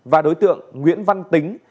và đối tượng nguyễn văn tính